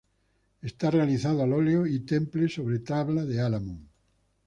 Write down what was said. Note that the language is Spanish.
Está realizado al óleo y temple sobre tabla de álamo.